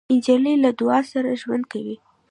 نجلۍ له دعا سره ژوند کوي.